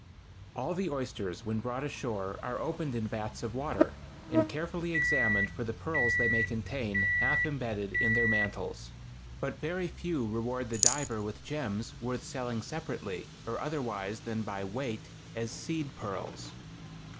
All the oysters when brought ashore are opened in vats of water, and carefully examined for the pearls they may contain half embedded in their mantles; but very few reward the diver with gems worth selling separately or otherwise than by weight as "seed" pearls.